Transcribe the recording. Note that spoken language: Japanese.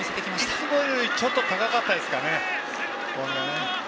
いつもよりちょっと高かったですかね。